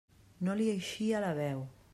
No li eixia la veu.